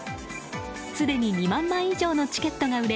すでに２万枚以上のチケットが売れ